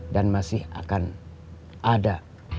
dan masih akan ada